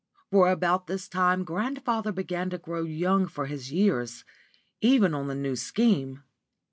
For about this time grandfather began to grow young for his years, even on the New Scheme.